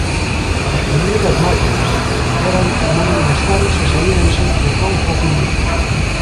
As primeiras máquinas era moi inestables e saíanse de ton facilmente.